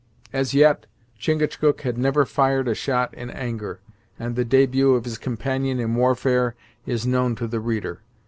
As yet, Chingachgook had never fired a shot in anger, and the debut of his companion in warfare is known to the reader.